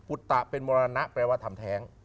อุตตะเป็นมรณะแปลว่าทำแท้ง